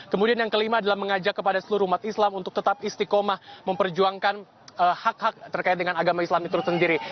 kemudian yang kelima adalah mengajak kepada seluruh umat islam untuk tetap istiqomah memperjuangkan hak hak terkait dengan agama islam itu sendiri